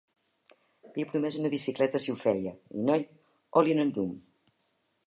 Li he promès una bicicleta si ho feia i, noi, oli en un llum!